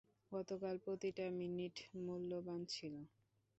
গতকাল প্রতিটা মিনিট মূল্যবান ছিল।